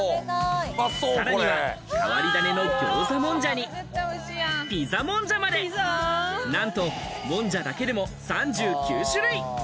さらには変わり種のギョーザもんじゃに、ピザもんじゃまで、なんと、もんじゃだけでも３９種類。